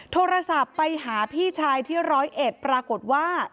โทรศัพท์ไปหาพี่ชายที่ร้อยเอ็ดปรากฏว่า